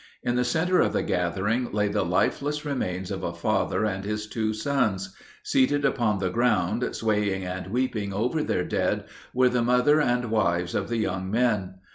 In the center of the gathering lay the lifeless remains of a father and his two sons; seated upon the ground, swaying and weeping over their dead, were the mother and wives of the young men.